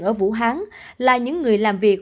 ở vũ hán là những người làm việc